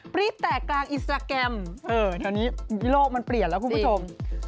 รีบแตกกลางอินสตราแกรมแถวนี้โลกมันเปลี่ยนแล้วคุณผู้ชม